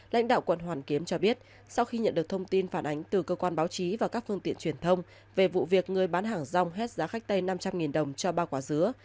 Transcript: lãnh đạo quận hoàn kiếm cho biết sau khi nhận được thông tin phản ánh từ cơ quan báo chí và các phương tiện truyền thông về vụ việc người bán hàng rong hết giá khách tay năm trăm linh đồng cho ba quả dứa